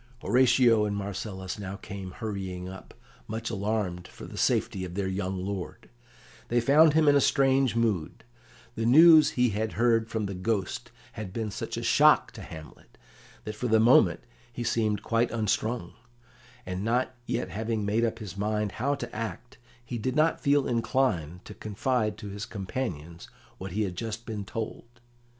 Horatio and Marcellus now came hurrying up, much alarmed for the safety of their young lord. They found him in a strange mood. The news he had heard from the Ghost had been such a shock to Hamlet that for the moment he seemed quite unstrung, and, not having yet made up his mind how to act, he did not feel inclined to confide to his companions what he had just been told.